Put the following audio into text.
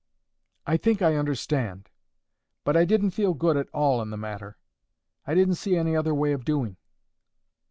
"I think I understand. But I didn't feel good at all in the matter. I didn't see any other way of doing."